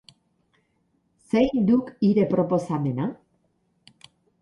Zein duk hire proposamena?